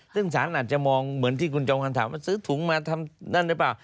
ซึ่งสารอาจจะมองเหมือนที่คุณจอมขวัญถามว่าซื้อถุงมาทำนั่นหรือเปล่า